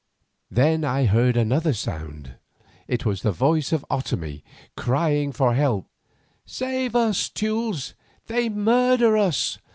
Then I heard another sound. It was the voice of Otomie crying for help. "Save us, Teules; they murder us!"